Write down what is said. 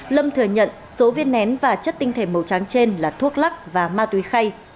lâm thừa nhận số viên nén và chất tinh thể màu trắng trên là thuốc lắc và ma túy khay